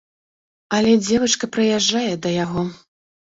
Але дзевачка прыязджае да яго.